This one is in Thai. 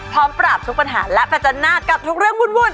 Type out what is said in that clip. พร้อมปราบทุกปัญหาและประจันหน้ากับทุกเรื่องวุ่น